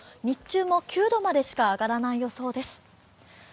日中も９度までしか上がらない予想です。